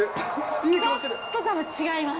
ちょっとでも違います。